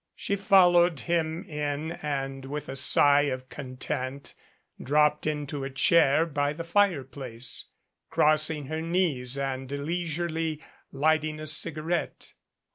She followed him in and with a sigh of content dropped into a chair 230 NEMESIS by the fireplace, crossing her knees and leisurely lighting a cigarette.